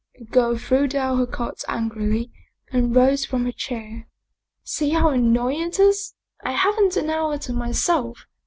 The girl threw down her cards angrily and rose from her chair. " See how annoying it is, I haven't an hour to myself!